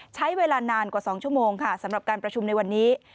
ใช้เวลานานกว่า๒ชั่วโมงค่ะสำหรับการประชุมในวันนี้